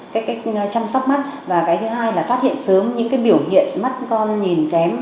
cái cách chăm sóc mắt và cái thứ hai là phát hiện sớm những cái biểu hiện mắt con nhìn kém